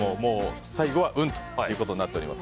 最後は運ということになっております。